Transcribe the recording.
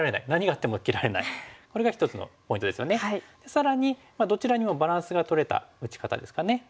更にどちらにもバランスがとれた打ち方ですかね。